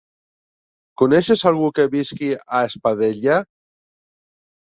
Coneixes algú que visqui a Espadella?